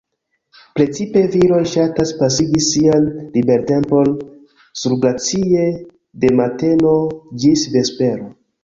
Precipe viroj ŝatas pasigi sian libertempon surglacie, de mateno ĝis vespero.